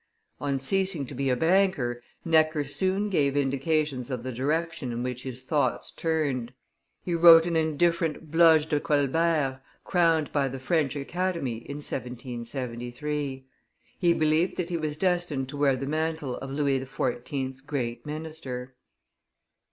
On ceasing to be a banker, Necker soon gave indications of the direction in which his thoughts turned; he wrote an indifferent Bloge de Colbert, crowned by the French Academy, in 1773. He believed that he was destined to wear the mantle of Louis XIV.'s great minister.